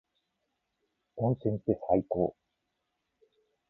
温泉って最高。